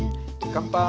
乾杯！